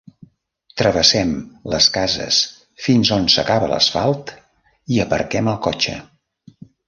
Travessem les cases fins on s'acaba l'asfalt i aparquem el cotxe.